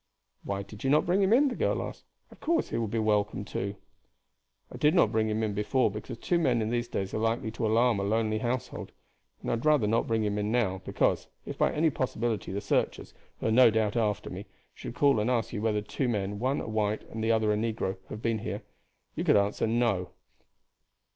"Why did you not bring him in?" the girl asked. "Of course he will be welcome too." "I did not bring him in before because two men in these days are likely to alarm a lonely household; and I would rather not bring him in now, because, if by any possibility the searchers, who are no doubt after me, should call and ask you whether two men, one a white and the other a negro, had been here, you could answer no."